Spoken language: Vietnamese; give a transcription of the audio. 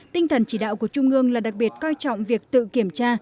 tinh thần chỉ đạo của trung ương là đặc biệt coi trọng việc tự kiểm tra